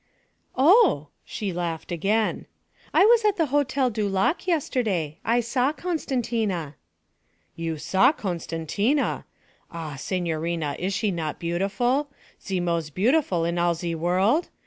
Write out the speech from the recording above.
'Oh!' she laughed again. 'I was at the Hotel du Lac yesterday; I saw Costantina.' 'You saw Costantina! Ah, signorina, is she not beautiful? Ze mos' beautiful in all ze world?